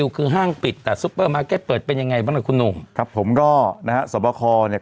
คือห้างปิดแต่เปิดเป็นยังไงบ้างคุณหนูครับผมก็นะฮะสวบคอเนี้ย